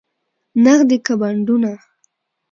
نغدې که بانډونه؟